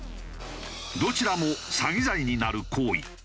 どちらも詐欺罪になる行為。